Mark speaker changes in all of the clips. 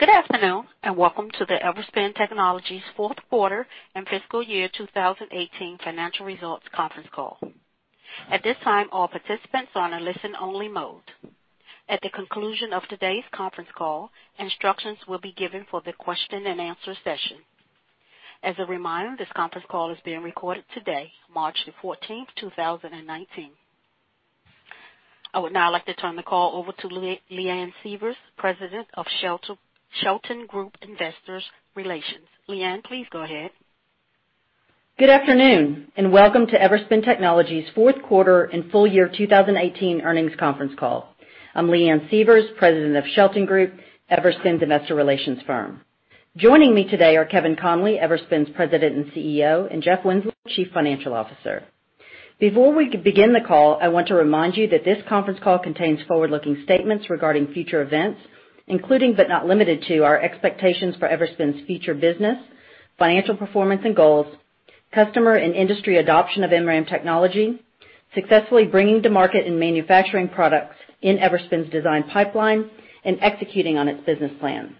Speaker 1: Good afternoon, and welcome to the Everspin Technologies fourth quarter and fiscal year 2018 financial results conference call. At this time, all participants are on a listen-only mode. At the conclusion of today's conference call, instructions will be given for the question and answer session. As a reminder, this conference call is being recorded today, March 14th, 2019. I would now like to turn the call over to Leanne Sievers, President of Shelton Group Investor Relations. Leanne, please go ahead.
Speaker 2: Good afternoon, and welcome to Everspin Technologies fourth quarter and full year 2018 earnings conference call. I'm Leanne Sievers, President of Shelton Group, Everspin's investor relations firm. Joining me today are Kevin Conley, Everspin's President and CEO, and Jeff Winzeler, Chief Financial Officer. Before we begin the call, I want to remind you that this conference call contains forward-looking statements regarding future events, including, but not limited to, our expectations for Everspin's future business, financial performance and goals, customer and industry adoption of MRAM technology, successfully bringing to market and manufacturing products in Everspin's design pipeline, and executing on its business plan.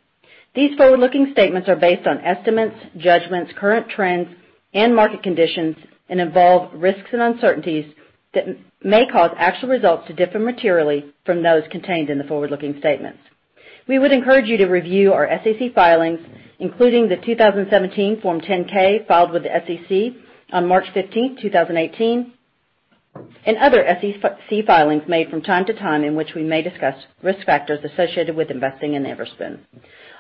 Speaker 2: These forward-looking statements are based on estimates, judgments, current trends, and market conditions, and involve risks and uncertainties that may cause actual results to differ materially from those contained in the forward-looking statements. We would encourage you to review our SEC filings, including the 2017 Form 10-K filed with the SEC on March 15th, 2018, and other SEC filings made from time to time, in which we may discuss risk factors associated with investing in Everspin.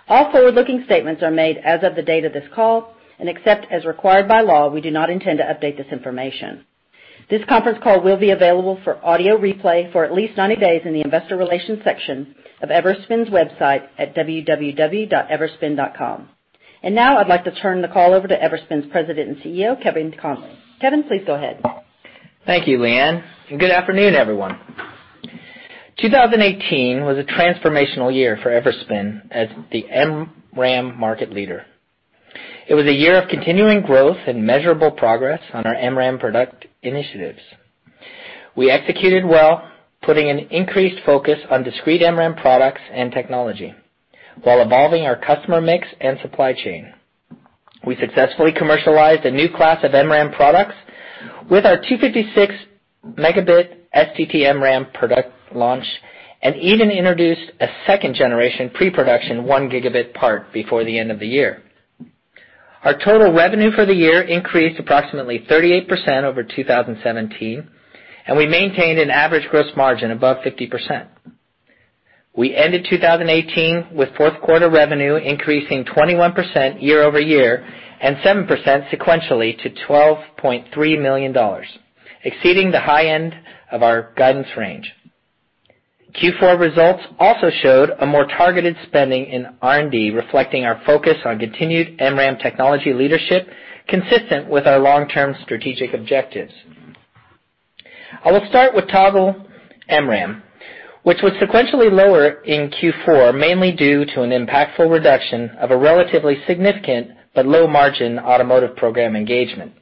Speaker 2: All forward-looking statements are made as of the date of this call, and except as required by law, we do not intend to update this information. This conference call will be available for audio replay for at least 90 days in the investor relations section of Everspin's website at www.everspin.com. Now I'd like to turn the call over to Everspin's President and CEO, Kevin Conley. Kevin, please go ahead.
Speaker 3: Thank you, Leanne, and good afternoon, everyone. 2018 was a transformational year for Everspin as the MRAM market leader. It was a year of continuing growth and measurable progress on our MRAM product initiatives. We executed well, putting an increased focus on discrete MRAM products and technology while evolving our customer mix and supply chain. We successfully commercialized a new class of MRAM products with our 256 Mb STT-MRAM product launch, and even introduced a second-generation pre-production 1 Gb part before the end of the year. Our total revenue for the year increased approximately 38% over 2017, and we maintained an average gross margin above 50%. We ended 2018 with fourth quarter revenue increasing 21% year-over-year and 7% sequentially to $12.3 million, exceeding the high end of our guidance range. Q4 results also showed a more targeted spending in R&D, reflecting our focus on continued MRAM technology leadership consistent with our long-term strategic objectives. I will start with Toggle MRAM, which was sequentially lower in Q4, mainly due to an impactful reduction of a relatively significant but low-margin automotive program engagement.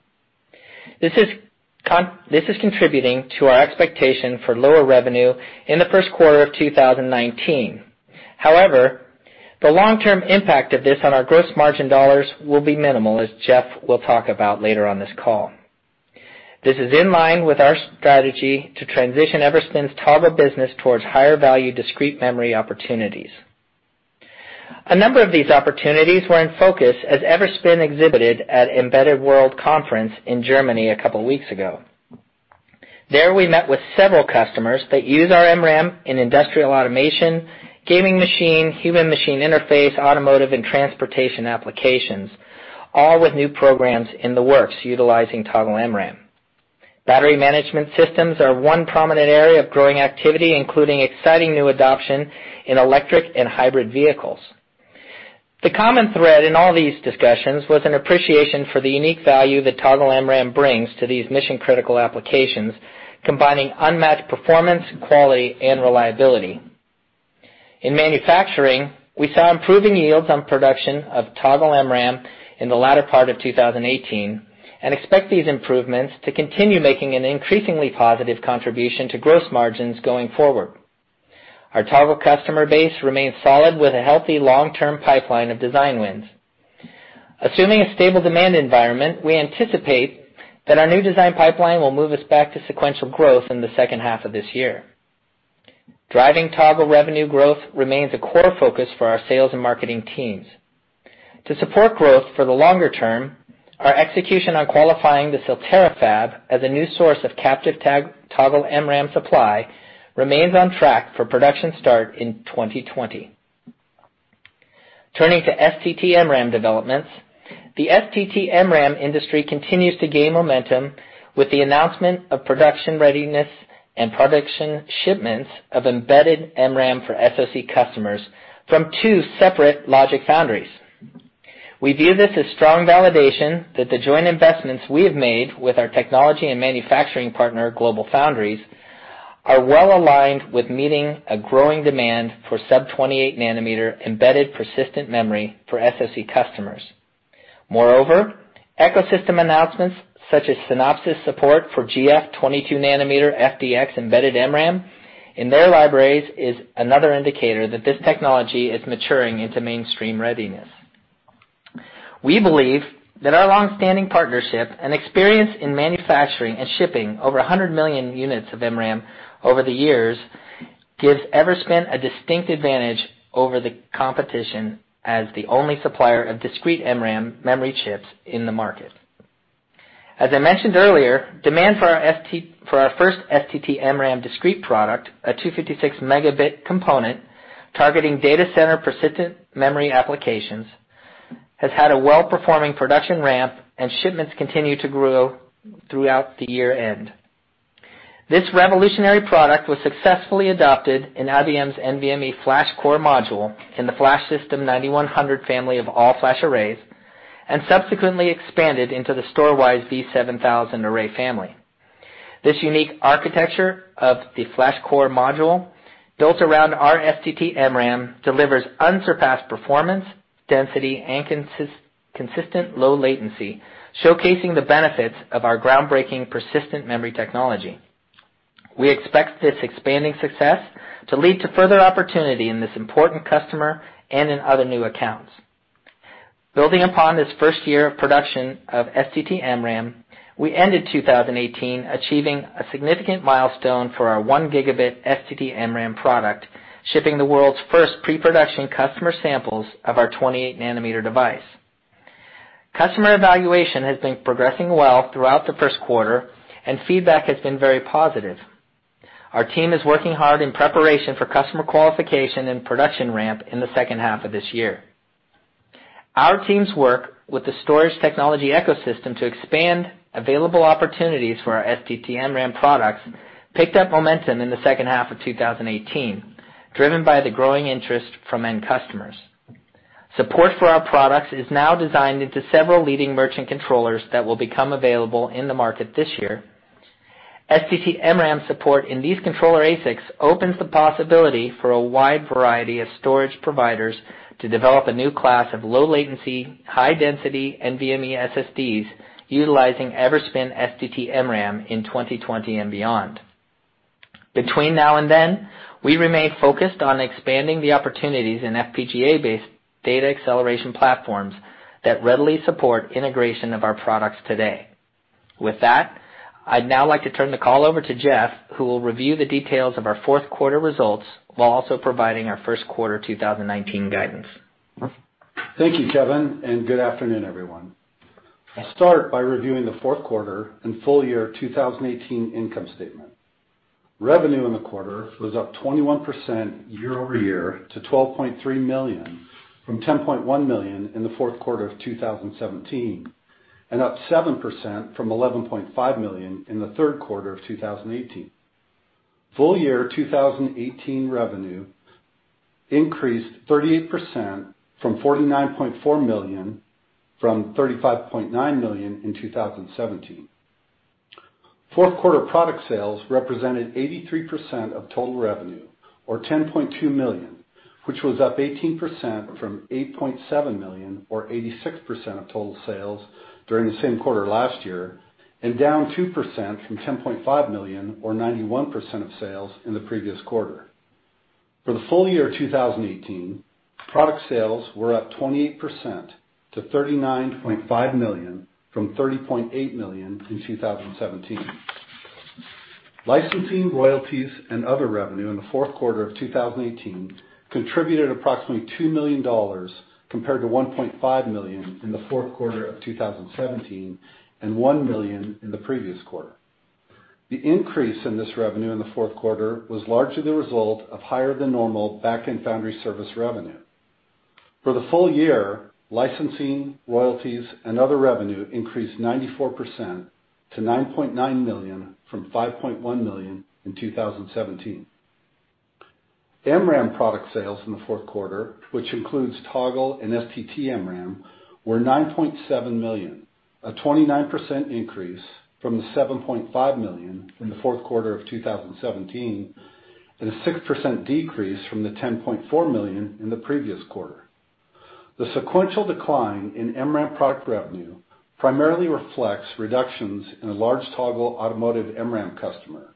Speaker 3: This is contributing to our expectation for lower revenue in the first quarter of 2019. However, the long-term impact of this on our gross margin dollars will be minimal, as Jeff will talk about later on this call. This is in line with our strategy to transition Everspin's Toggle business towards higher-value discrete memory opportunities. A number of these opportunities were in focus as Everspin exhibited at Embedded World Conference in Germany a couple of weeks ago. There, we met with several customers that use our MRAM in industrial automation, gaming machine, human machine interface, automotive, and transportation applications, all with new programs in the works utilizing Toggle MRAM. Battery management systems are one prominent area of growing activity, including exciting new adoption in electric and hybrid vehicles. The common thread in all these discussions was an appreciation for the unique value that Toggle MRAM brings to these mission-critical applications, combining unmatched performance, quality, and reliability. In manufacturing, we saw improving yields on production of Toggle MRAM in the latter part of 2018 and expect these improvements to continue making an increasingly positive contribution to gross margins going forward. Our Toggle customer base remains solid with a healthy long-term pipeline of design wins. Assuming a stable demand environment, we anticipate that our new design pipeline will move us back to sequential growth in the second half of this year. Driving Toggle revenue growth remains a core focus for our sales and marketing teams. To support growth for the longer term, our execution on qualifying the SilTerra fab as a new source of captive Toggle MRAM supply remains on track for production start in 2020. Turning to STT-MRAM developments, the STT-MRAM industry continues to gain momentum with the announcement of production readiness and production shipments of embedded MRAM for SoC customers from two separate Logic Foundries. We view this as strong validation that the joint investments we have made with our technology and manufacturing partner, GlobalFoundries, are well-aligned with meeting a growing demand for sub-28 nm embedded persistent memory for SoC customers. Moreover, ecosystem announcements such as Synopsys support for GF 22 nm FDX embedded MRAM in their libraries is another indicator that this technology is maturing into mainstream readiness. We believe that our long-standing partnership and experience in manufacturing and shipping over 100 million units of MRAM over the years gives Everspin a distinct advantage over the competition as the only supplier of discrete MRAM memory chips in the market. As I mentioned earlier, demand for our first STT-MRAM discrete product, a 256 Mb component targeting data center persistent memory applications, has had a well-performing production ramp, and shipments continue to grow throughout the year-end. This revolutionary product was successfully adopted in IBM's NVMe FlashCore Module in the FlashSystem 9100 family of all-flash arrays, and subsequently expanded into the Storwize V7000 array family. This unique architecture of the FlashCore Module built around our STT-MRAM delivers unsurpassed performance, density, and consistent low latency, showcasing the benefits of our groundbreaking persistent memory technology. We expect this expanding success to lead to further opportunity in this important customer and in other new accounts. Building upon this first year of production of STT-MRAM, we ended 2018 achieving a significant milestone for our 1 Gb STT-MRAM product, shipping the world's first pre-production customer samples of our 28 nm device. Customer evaluation has been progressing well throughout the first quarter, and feedback has been very positive. Our team is working hard in preparation for customer qualification and production ramp in the second half of this year. Our team's work with the storage technology ecosystem to expand available opportunities for our STT-MRAM products picked up momentum in the second half of 2018, driven by the growing interest from end customers. Support for our products is now designed into several leading merchant controllers that will become available in the market this year. STT-MRAM support in these controller ASICs opens the possibility for a wide variety of storage providers to develop a new class of low latency, high density NVMe SSDs utilizing Everspin STT-MRAM in 2020 and beyond. Between now and then, we remain focused on expanding the opportunities in FPGA-based data acceleration platforms that readily support integration of our products today. With that, I'd now like to turn the call over to Jeff, who will review the details of our fourth quarter results while also providing our first quarter 2019 guidance.
Speaker 4: Thank you, Kevin, and good afternoon, everyone. I'll start by reviewing the fourth quarter and full year 2018 income statement. Revenue in the quarter was up 21% year over year to $12.3 million from $10.1 million in the fourth quarter of 2017, and up 7% from $11.5 million in the third quarter of 2018. Full year 2018 revenue increased 38% from $49.4 million from $35.9 million in 2017. Fourth quarter product sales represented 83% of total revenue or $10.2 million, which was up 18% from $8.7 million or 86% of total sales during the same quarter last year, and down 2% from $10.5 million or 91% of sales in the previous quarter. For the full year 2018, product sales were up 28% to $39.5 million from $30.8 million in 2017. Licensing, royalties, and other revenue in the fourth quarter of 2018 contributed approximately $2 million compared to $1.5 million in the fourth quarter of 2017 and $1 million in the previous quarter. The increase in this revenue in the fourth quarter was largely the result of higher than normal backend foundry service revenue. For the full year, licensing, royalties, and other revenue increased 94% to $9.9 million from $5.1 million in 2017. MRAM product sales in the fourth quarter, which includes Toggle and STT-MRAM, were $9.7 million, a 29% increase from the $7.5 million in the fourth quarter of 2017 and a 6% decrease from the $10.4 million in the previous quarter. The sequential decline in MRAM product revenue primarily reflects reductions in a large Toggle automotive MRAM customer,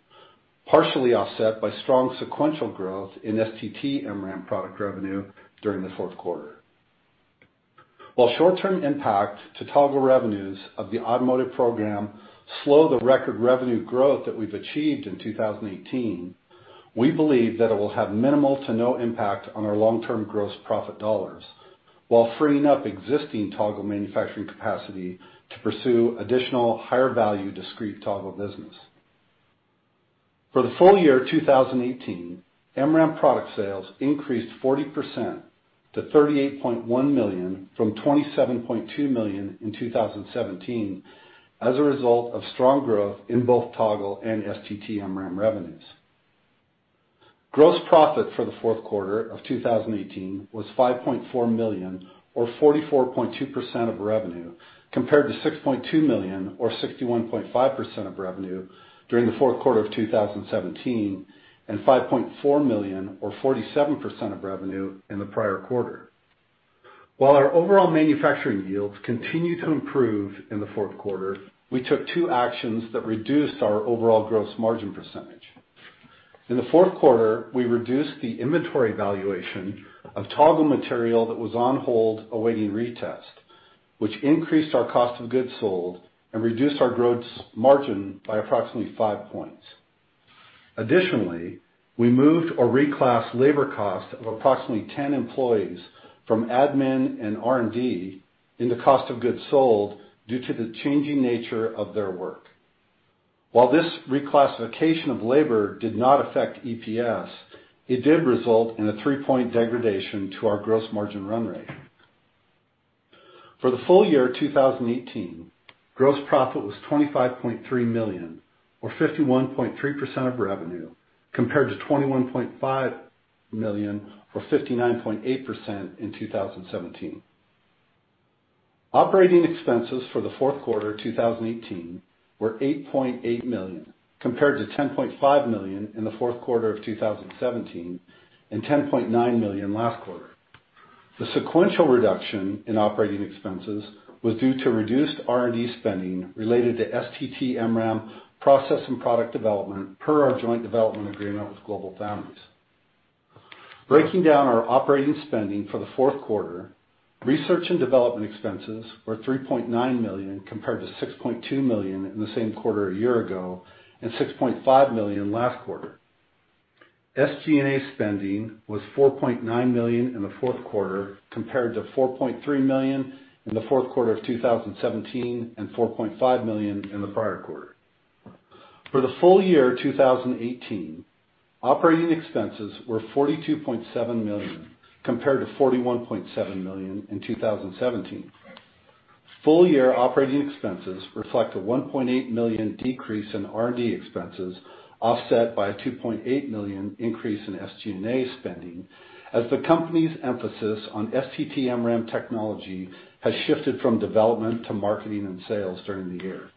Speaker 4: partially offset by strong sequential growth in STT-MRAM product revenue during the fourth quarter. While short-term impact to Toggle revenues of the automotive program slow the record revenue growth that we've achieved in 2018, we believe that it will have minimal to no impact on our long-term gross profit dollars while freeing up existing Toggle manufacturing capacity to pursue additional higher value discrete Toggle business. For the full year 2018, MRAM product sales increased 40% to $38.1 million from $27.2 million in 2017 as a result of strong growth in both Toggle and STT-MRAM revenues. Gross profit for the fourth quarter of 2018 was $5.4 million or 44.2% of revenue, compared to $6.2 million or 61.5% of revenue during the fourth quarter of 2017, and $5.4 million or 47% of revenue in the prior quarter. While our overall manufacturing yields continued to improve in the fourth quarter, we took two actions that reduced our overall gross margin percentage. In the fourth quarter, we reduced the inventory valuation of Toggle material that was on hold awaiting retest, which increased our cost of goods sold and reduced our gross margin by approximately 5 points. Additionally, we moved or reclassed labor costs of approximately 10 employees from admin and R&D in the cost of goods sold due to the changing nature of their work. While this reclassification of labor did not affect EPS, it did result in a 3 point degradation to our gross margin run rate. For the full year 2018, gross profit was $25.3 million or 51.3% of revenue, compared to $21.5 million or 59.8% in 2017. Operating expenses for the fourth quarter 2018 were $8.8 million, compared to $10.5 million in the fourth quarter of 2017 and $10.9 million last quarter. The sequential reduction in operating expenses was due to reduced R&D spending related to STT-MRAM process and product development per our joint development agreement with GlobalFoundries. Breaking down our operating spending for the fourth quarter, research and development expenses were $3.9 million compared to $6.2 million in the same quarter a year ago, and $6.5 million last quarter. SG&A spending was $4.9 million in the fourth quarter, compared to $4.3 million in the fourth quarter of 2017 and $4.5 million in the prior quarter. For the full year 2018, operating expenses were $42.7 million, compared to $41.7 million in 2017. Full year operating expenses reflect a $1.8 million decrease in R&D expenses, offset by a $2.8 million increase in SG&A spending, as the company's emphasis on STT-MRAM technology has shifted from development to marketing and sales during the year.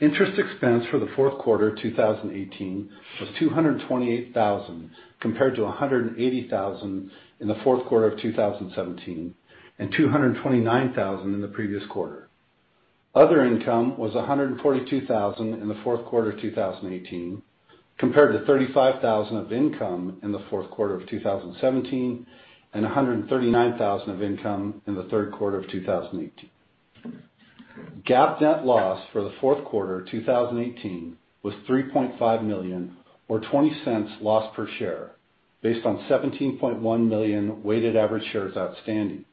Speaker 4: Interest expense for the fourth quarter 2018 was $228,000 compared to $180,000 in the fourth quarter of 2017, and $229,000 in the previous quarter. Other income was $142,000 in the fourth quarter 2018, compared to $35,000 of income in the fourth quarter of 2017, and $139,000 of income in the third quarter of 2018. GAAP net loss for the fourth quarter 2018 was $3.5 million or $0.20 loss per share based on 17.1 million weighted average shares outstanding.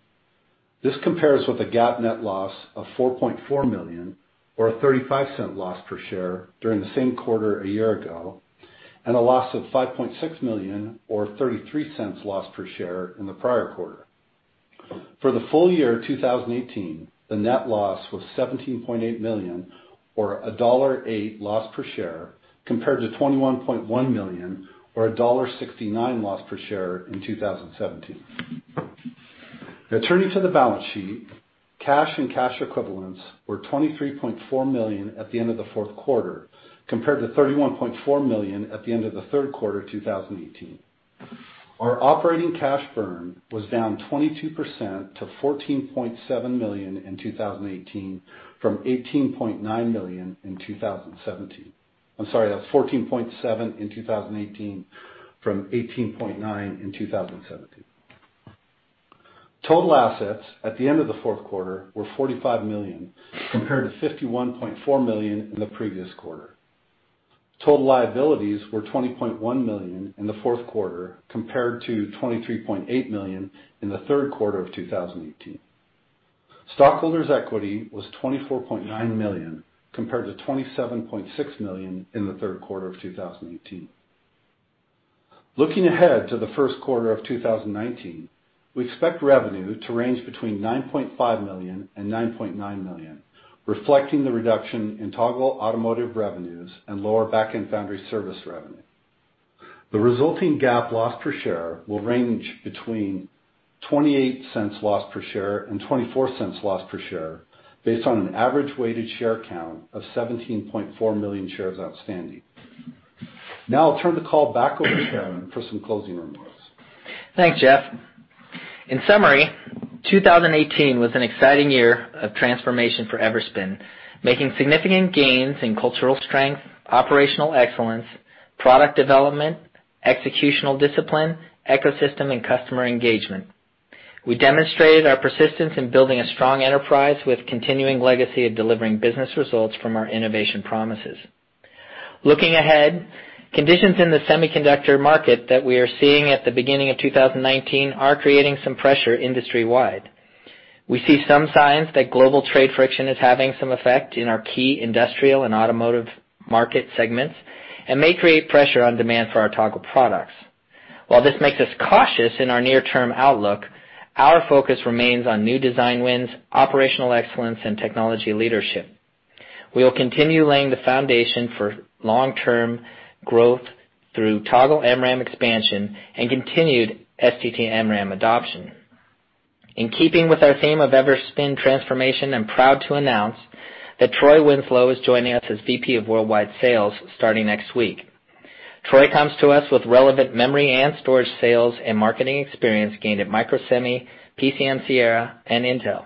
Speaker 4: This compares with a GAAP net loss of $4.4 million or a $0.35 loss per share during the same quarter a year ago, and a loss of $5.6 million or $0.33 loss per share in the prior quarter. For the full year 2018, the net loss was $17.8 million or a $1.08 loss per share, compared to $21.1 million or a $1.69 loss per share in 2017. Turning to the balance sheet, cash and cash equivalents were $23.4 million at the end of the fourth quarter compared to $31.4 million at the end of the third quarter 2018. Our operating cash burn was down 22% to $14.7 million in 2018 from $18.9 million in 2017. I'm sorry, that was $14.7 million in 2018 from $18.9 million in 2017. Total assets at the end of the fourth quarter were $45 million compared to $51.4 million in the previous quarter. Total liabilities were $20.1 million in the fourth quarter compared to $23.8 million in the third quarter of 2018. Stockholders' equity was $24.9 million, compared to $27.6 million in the third quarter of 2018. Looking ahead to the first quarter of 2019, we expect revenue to range between $9.5 million and $9.9 million, reflecting the reduction in Toggle automotive revenues and lower backend foundry service revenue. The resulting GAAP loss per share will range between $0.28 loss per share and $0.24 loss per share, based on an average weighted share count of 17.4 million shares outstanding. I'll turn the call back over to Kevin for some closing remarks.
Speaker 3: Thanks, Jeff. In summary, 2018 was an exciting year of transformation for Everspin, making significant gains in cultural strength, operational excellence, product development, executional discipline, ecosystem, and customer engagement. We demonstrated our persistence in building a strong enterprise with continuing legacy of delivering business results from our innovation promises. Looking ahead, conditions in the semiconductor market that we are seeing at the beginning of 2019 are creating some pressure industry-wide. We see some signs that global trade friction is having some effect in our key industrial and automotive market segments and may create pressure on demand for our Toggle products. While this makes us cautious in our near-term outlook, our focus remains on new design wins, operational excellence, and technology leadership. We'll continue laying the foundation for long-term growth through Toggle MRAM expansion and continued STT-MRAM adoption. In keeping with our theme of Everspin transformation, I'm proud to announce that Troy Winslow is joining us as VP of Worldwide Sales starting next week. Troy comes to us with relevant memory and storage sales and marketing experience gained at Microsemi, PMC-Sierra, and Intel.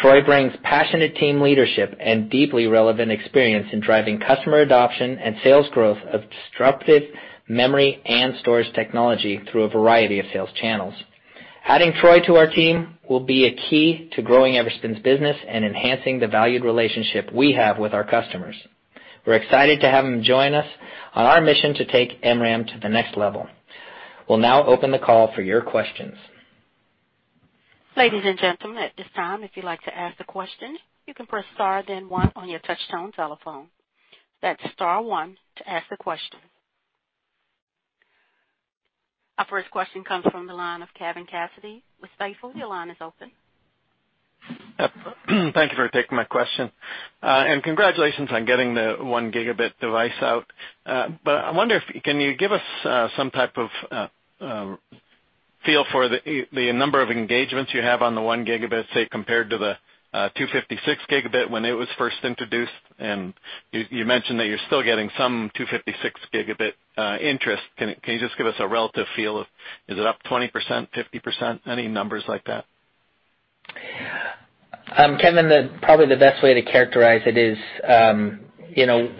Speaker 3: Troy brings passionate team leadership and deeply relevant experience in driving customer adoption and sales growth of disruptive memory and storage technology through a variety of sales channels. Adding Troy to our team will be a key to growing Everspin's business and enhancing the valued relationship we have with our customers. We're excited to have him join us on our mission to take MRAM to the next level. We'll now open the call for your questions.
Speaker 1: Ladies and gentlemen, at this time, if you'd like to ask a question, you can press star, then one on your touchtone telephone. That's star one to ask a question. Our first question comes from the line of Kevin Cassidy with Stifel. Your line is open.
Speaker 5: Thank you for taking my question, and congratulations on getting the 1 Gb device out. I wonder, can you give us some type of feel for the number of engagements you have on the 1 Gb, say, compared to the 256 Gb when it was first introduced, and you mentioned that you're still getting some 256 Gb interest. Can you just give us a relative feel of, is it up 20%, 50%? Any numbers like that?
Speaker 3: Kevin, probably the best way to characterize it is,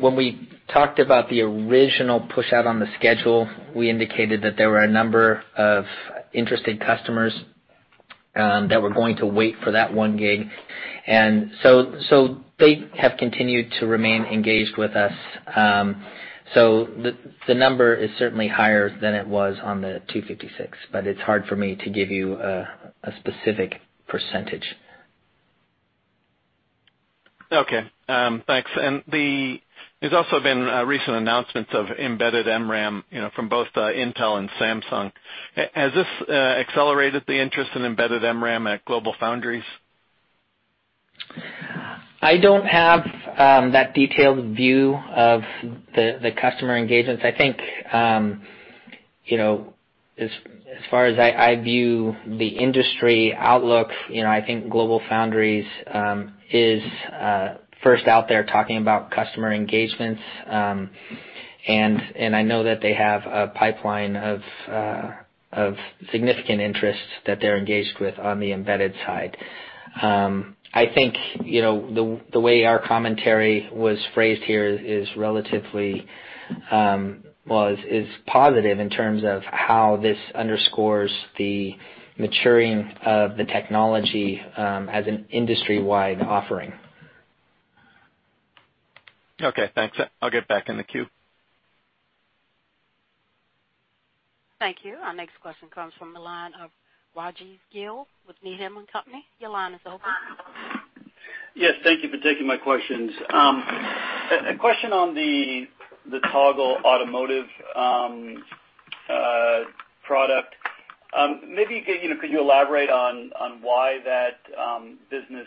Speaker 3: when we talked about the original push-out on the schedule, we indicated that there were a number of interested customers that were going to wait for that 1 Gb. They have continued to remain engaged with us. The number is certainly higher than it was on the 256 Gb, but it's hard for me to give you a specific percentage.
Speaker 5: Okay. Thanks. There's also been recent announcements of embedded MRAM from both Intel and Samsung. Has this accelerated the interest in embedded MRAM at GlobalFoundries?
Speaker 3: I don't have that detailed view of the customer engagements. I think, as far as I view the industry outlook, I think GlobalFoundries is first out there talking about customer engagements. I know that they have a pipeline of significant interests that they're engaged with on the embedded side. I think, the way our commentary was phrased here is relatively positive in terms of how this underscores the maturing of the technology as an industry-wide offering.
Speaker 5: Okay, thanks. I'll get back in the queue.
Speaker 1: Thank you. Our next question comes from the line of Rajiv Gill with Needham & Company. Your line is open.
Speaker 6: Yes, thank you for taking my questions. A question on the Toggle automotive product. Could you elaborate on why that business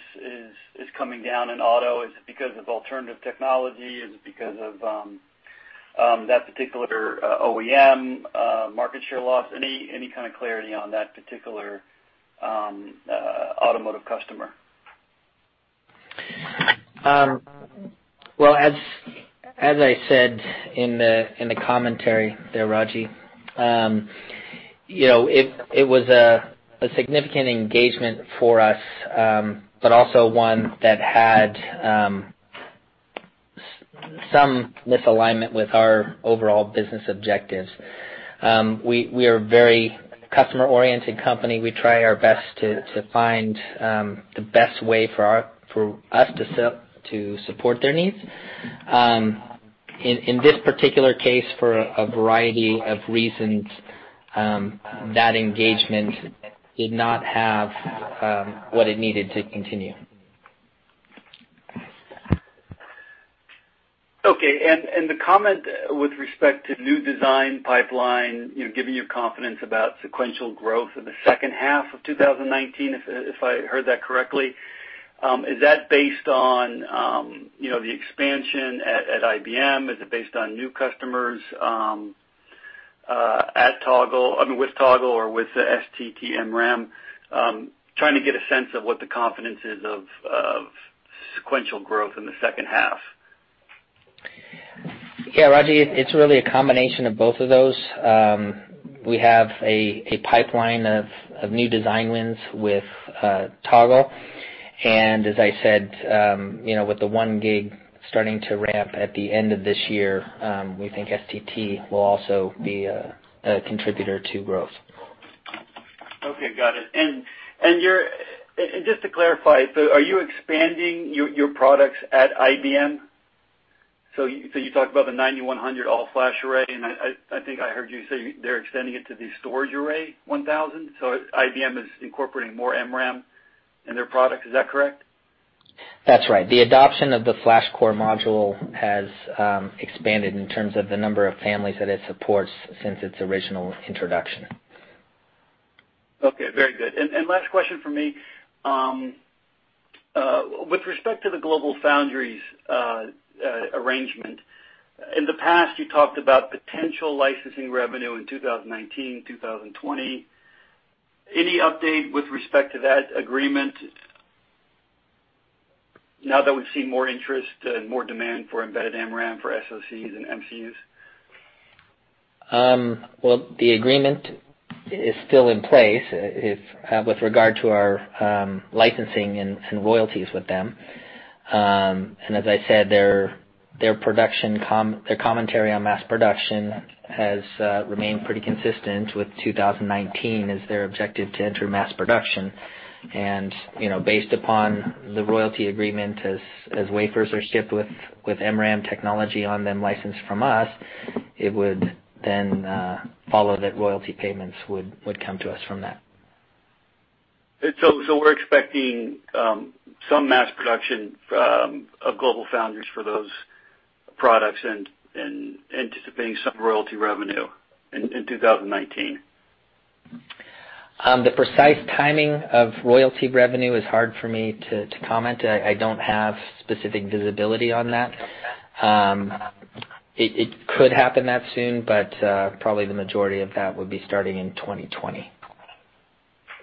Speaker 6: is coming down in auto? Is it because of alternative technology? Is it because of that particular OEM market share loss? Any kind of clarity on that particular automotive customer?
Speaker 3: Well, as I said in the commentary there, Rajiv, it was a significant engagement for us, also one that had some misalignment with our overall business objectives. We are a very customer-oriented company. We try our best to find the best way for us to support their needs. In this particular case, for a variety of reasons, that engagement did not have what it needed to continue.
Speaker 6: Okay. The comment with respect to new design pipeline, giving you confidence about sequential growth in the second half of 2019, if I heard that correctly, is that based on the expansion at IBM? Is it based on new customers with Toggle or with the STT-MRAM? Trying to get a sense of what the confidence is of sequential growth in the second half.
Speaker 3: Rajiv, it's really a combination of both of those. We have a pipeline of new design wins with Toggle, and as I said, with the 1 Gb starting to ramp at the end of this year, we think STT will also be a contributor to growth.
Speaker 6: Okay, got it. Just to clarify, are you expanding your products at IBM? You talked about the 9100 all-flash array, and I think I heard you say they're extending it to the storage array 1000. IBM is incorporating more MRAM in their product, is that correct?
Speaker 3: That's right. The adoption of the FlashCore Module has expanded in terms of the number of families that it supports since its original introduction.
Speaker 6: Okay, very good. Last question from me. With respect to the GlobalFoundries arrangement, in the past, you talked about potential licensing revenue in 2019, 2020. Any update with respect to that agreement now that we've seen more interest and more demand for embedded MRAM for SoCs and MCUs?
Speaker 3: Well, the agreement is still in place with regard to our licensing and royalties with them. As I said, their commentary on mass production has remained pretty consistent with 2019 as their objective to enter mass production. Based upon the royalty agreement, as wafers are shipped with MRAM technology on them licensed from us, it would then follow that royalty payments would come to us from that.
Speaker 6: We're expecting some mass production of GlobalFoundries for those products and anticipating some royalty revenue in 2019.
Speaker 3: The precise timing of royalty revenue is hard for me to comment. I don't have specific visibility on that. It could happen that soon, probably the majority of that would be starting in 2020.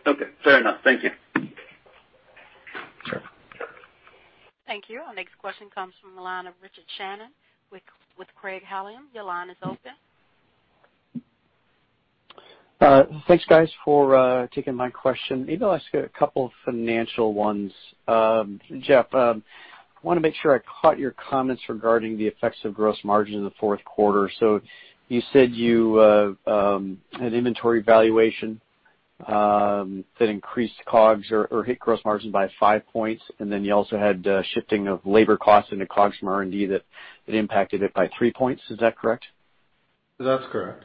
Speaker 6: Okay. Fair enough. Thank you.
Speaker 3: Sure.
Speaker 1: Thank you. Our next question comes from the line of Richard Shannon with Craig-Hallum. Your line is open.
Speaker 7: Thanks, guys, for taking my question. Maybe I'll ask a couple of financial ones. Jeff, I want to make sure I caught your comments regarding the effects of gross margin in the fourth quarter. You said you had inventory valuation that increased COGS or hit gross margin by 5 points, and then you also had shifting of labor costs into COGS from R&D that impacted it by 3 points. Is that correct?
Speaker 4: That's correct.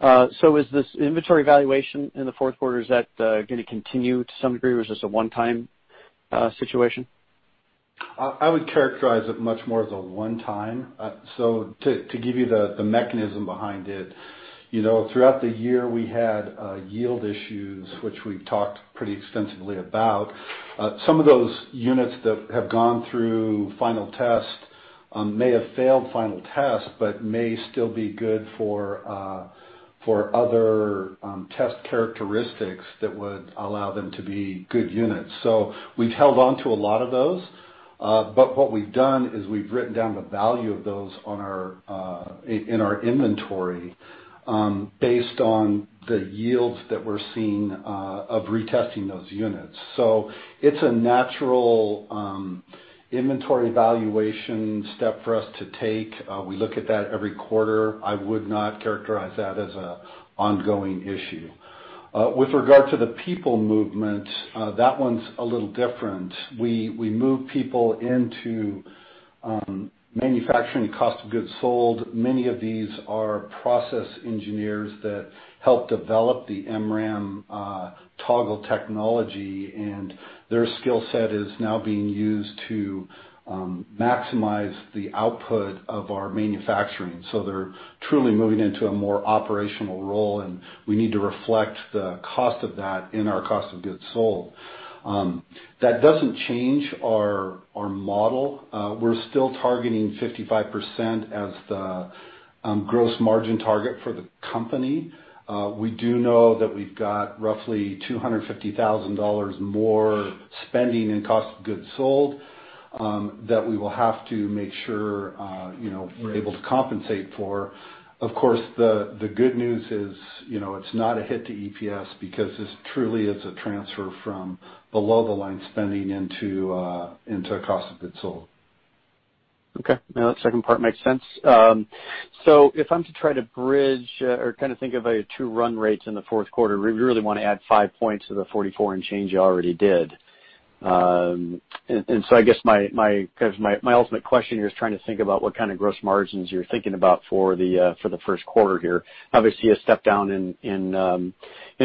Speaker 7: Is this inventory valuation in the fourth quarter, is that going to continue to some degree, or is this a one-time situation?
Speaker 4: I would characterize it much more as a one-time. To give you the mechanism behind it, throughout the year, we had yield issues, which we've talked pretty extensively about. Some of those units that have gone through final test may have failed final test, but may still be good for other test characteristics that would allow them to be good units. We've held on to a lot of those. What we've done is we've written down the value of those in our inventory based on the yields that we're seeing of retesting those units. It's a natural inventory valuation step for us to take. We look at that every quarter. I would not characterize that as an ongoing issue. With regard to the people movement, that one's a little different. We moved people into manufacturing cost of goods sold. Many of these are process engineers that help develop the MRAM Toggle technology, and their skill set is now being used to maximize the output of our manufacturing. They're truly moving into a more operational role, and we need to reflect the cost of that in our cost of goods sold. That doesn't change our model. We're still targeting 55% as the gross margin target for the company. We do know that we've got roughly $250,000 more spending in cost of goods sold, that we will have to make sure we're able to compensate for. Of course, the good news is, it's not a hit to EPS because this truly is a transfer from below the line spending into cost of goods sold.
Speaker 7: Okay. No, that second part makes sense. If I'm to try to bridge or kind of think of a two run rates in the fourth quarter, we really want to add 5 points to the 44% and change you already did. I guess my ultimate question here is trying to think about what kind of gross margins you're thinking about for the first quarter here. Obviously, a step down in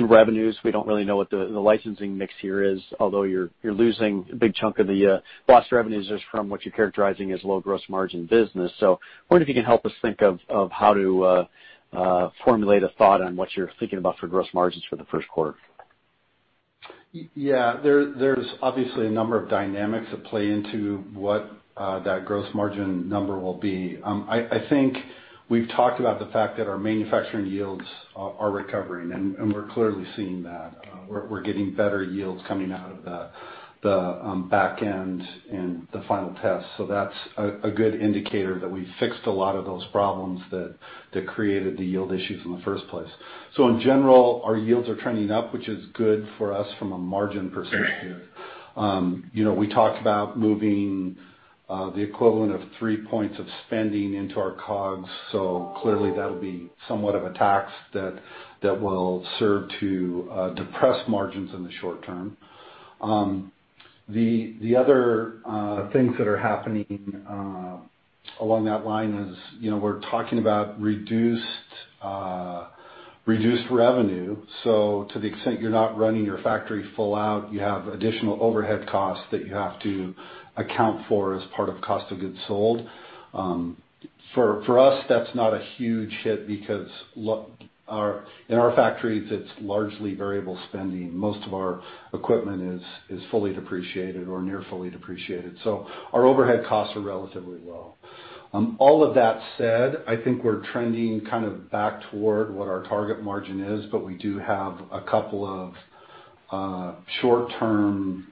Speaker 7: revenues. We don't really know what the licensing mix here is, although you're losing a big chunk of the lost revenues just from what you're characterizing as low gross margin business. I wonder if you can help us think of how to formulate a thought on what you're thinking about for gross margins for the first quarter.
Speaker 4: Yeah. There's obviously a number of dynamics that play into what that gross margin number will be. I think we've talked about the fact that our manufacturing yields are recovering, and we're clearly seeing that. We're getting better yields coming out of the back end and the final test. That's a good indicator that we fixed a lot of those problems that created the yield issues in the first place. In general, our yields are trending up, which is good for us from a margin perspective. We talked about moving the equivalent of 3 points of spending into our COGS, clearly that'll be somewhat of a tax that will serve to depress margins in the short term. The other things that are happening along that line is, we're talking about reduced revenue. To the extent you're not running your factory full out, you have additional overhead costs that you have to account for as part of cost of goods sold. For us, that's not a huge hit because in our factories, it's largely variable spending. Most of our equipment is fully depreciated or near fully depreciated. Our overhead costs are relatively low. All of that said, I think we're trending kind of back toward what our target margin is, but we do have a couple of short-term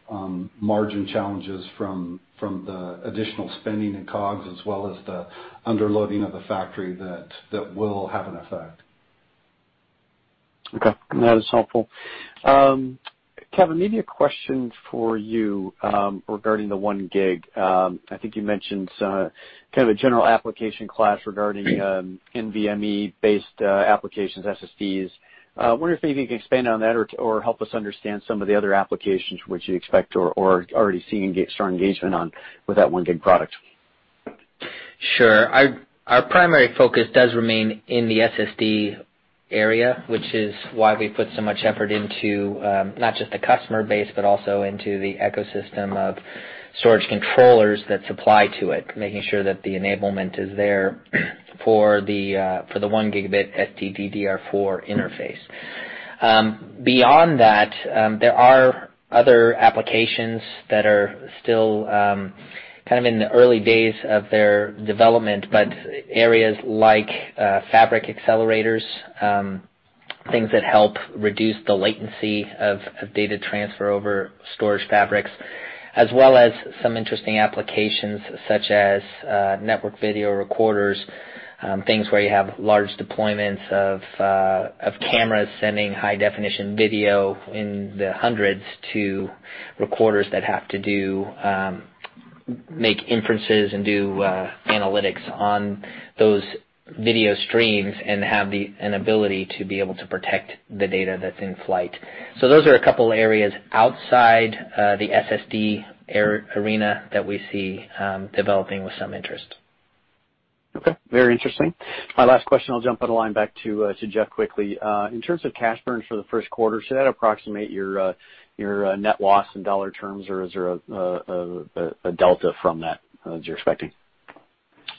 Speaker 4: margin challenges from the additional spending in COGS, as well as the underloading of the factory that will have an effect.
Speaker 7: Okay. That is helpful. Kevin, maybe a question for you regarding the 1 Gb. I think you mentioned kind of a general application class regarding NVMe-based applications, SSDs. I wonder if maybe you can expand on that or help us understand some of the other applications which you expect or are already seeing strong engagement on with that 1 Gb product.
Speaker 3: Sure. Our primary focus does remain in the SSD area, which is why we put so much effort into not just the customer base, but also into the ecosystem of storage controllers that supply to it, making sure that the enablement is there for the 1 Gb STT-DDR4 interface. Beyond that, there are other applications that are still kind of in the early days of their development, but areas like fabric accelerators, things that help reduce the latency of data transfer over storage fabrics, as well as some interesting applications such as network video recorders, things where you have large deployments of cameras sending high definition video in the hundreds to recorders that have to make inferences and do analytics on those video streams and have an ability to be able to protect the data that's in flight. Those are a couple areas outside the SSD arena that we see developing with some interest.
Speaker 7: Okay, very interesting. My last question, I'll jump on the line back to Jeff quickly. In terms of cash burn for the first quarter, should that approximate your net loss in dollar terms, or is there a delta from that as you're expecting?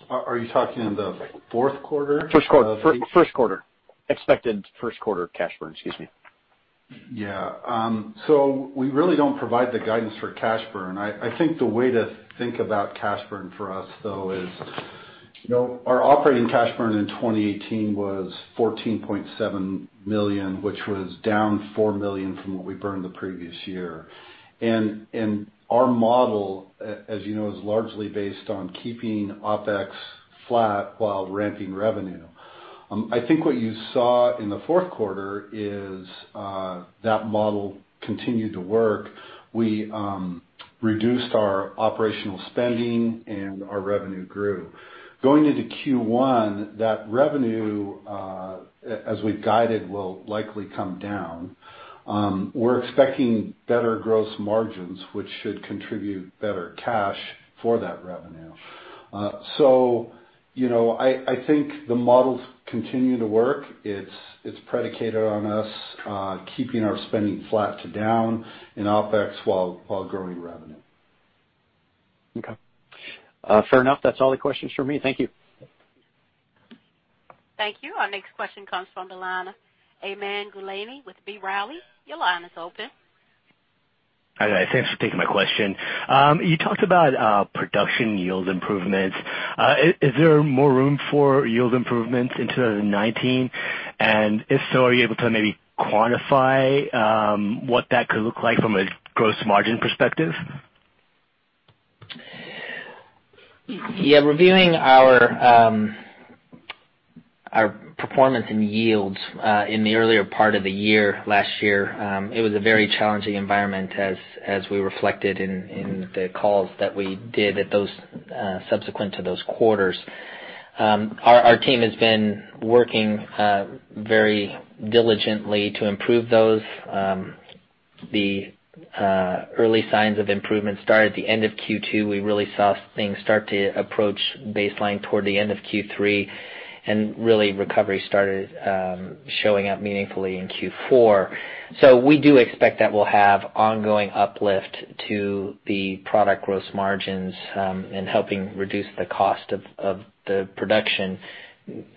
Speaker 4: Are you talking in the fourth quarter?
Speaker 7: First quarter. Expected first quarter cash burn, excuse me.
Speaker 4: Yeah. We really don't provide the guidance for cash burn. I think the way to think about cash burn for us, though, is our operating cash burn in 2018 was $14.7 million, which was down $4 million from what we burned the previous year. Our model, as you know, is largely based on keeping OpEx flat while ramping revenue. I think what you saw in the fourth quarter is that model continued to work. We reduced our operational spending and our revenue grew. Going into Q1, that revenue, as we've guided, will likely come down. We're expecting better gross margins, which should contribute better cash for that revenue. I think the model's continuing to work. It's predicated on us keeping our spending flat to down in OpEx while growing revenue.
Speaker 7: Okay. Fair enough. That's all the questions from me. Thank you.
Speaker 1: Thank you. Our next question comes from the line of Aman Gulani with B. Riley. Your line is open.
Speaker 8: Hi, guys. Thanks for taking my question. You talked about production yield improvements. Is there more room for yield improvements in 2019? If so, are you able to maybe quantify what that could look like from a gross margin perspective?
Speaker 3: Reviewing our performance in yields in the earlier part of the year last year, it was a very challenging environment as we reflected in the calls that we did at those subsequent to those quarters. Our team has been working very diligently to improve those. The early signs of improvement started at the end of Q2. We really saw things start to approach baseline toward the end of Q3. Really recovery started showing up meaningfully in Q4. We do expect that we'll have ongoing uplift to the product gross margins in helping reduce the cost of the production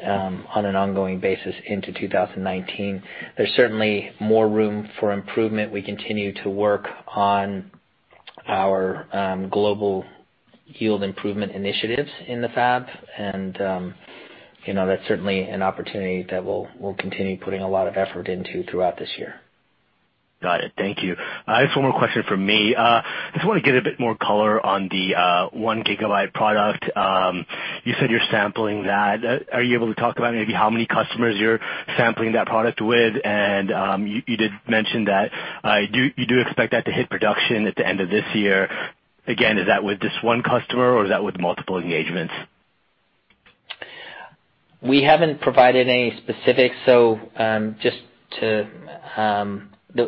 Speaker 3: on an ongoing basis into 2019. There's certainly more room for improvement. We continue to work on our global yield improvement initiatives in the fab. That's certainly an opportunity that we'll continue putting a lot of effort into throughout this year.
Speaker 8: Got it. Thank you. I have one more question from me. I just want to get a bit more color on the 1 GB product. You said you're sampling that. Are you able to talk about maybe how many customers you're sampling that product with? You did mention that you do expect that to hit production at the end of this year. Again, is that with this one customer or is that with multiple engagements?
Speaker 3: We haven't provided any specifics, so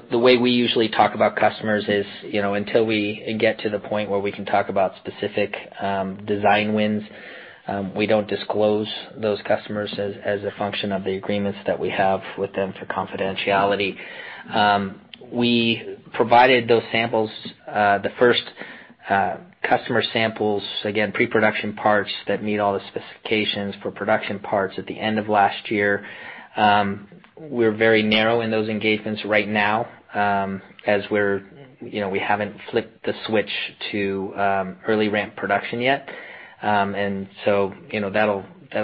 Speaker 3: the way we usually talk about customers is, until we get to the point where we can talk about specific design wins. We don't disclose those customers as a function of the agreements that we have with them for confidentiality. We provided those samples, the first customer samples, again, pre-production parts that meet all the specifications for production parts at the end of last year. We're very narrow in those engagements right now, as we haven't flipped the switch to early ramp production yet. That'll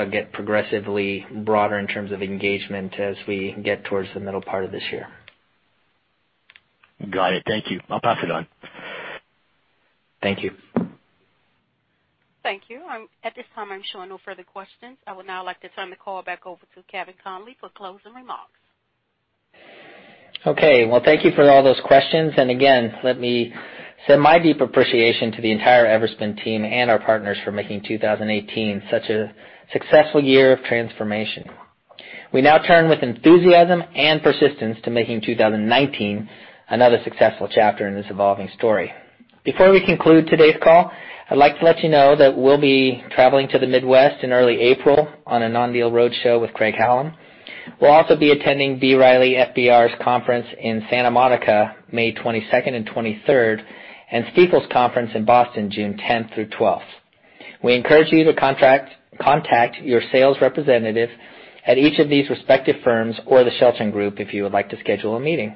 Speaker 3: get progressively broader in terms of engagement as we get towards the middle part of this year.
Speaker 8: Got it. Thank you. I'll pass it on.
Speaker 3: Thank you.
Speaker 1: Thank you. At this time, I'm showing no further questions. I would now like to turn the call back over to Kevin Conley for closing remarks.
Speaker 3: Okay. Well, thank you for all those questions. Again, let me send my deep appreciation to the entire Everspin team and our partners for making 2018 such a successful year of transformation. We now turn with enthusiasm and persistence to making 2019 another successful chapter in this evolving story. Before we conclude today's call, I'd like to let you know that we'll be traveling to the Midwest in early April on a non-deal road show with Craig-Hallum. We'll also be attending B. Riley FBR's conference in Santa Monica May 22nd and 23rd, and Stifel's conference in Boston June 10th through 12th. We encourage you to contact your sales representative at each of these respective firms or the Shelton Group if you would like to schedule a meeting.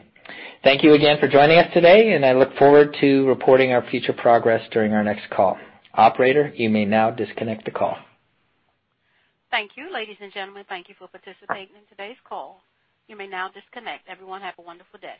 Speaker 3: Thank you again for joining us today, and I look forward to reporting our future progress during our next call. Operator, you may now disconnect the call.
Speaker 1: Thank you, ladies and gentlemen. Thank you for participating in today's call. You may now disconnect. Everyone, have a wonderful day.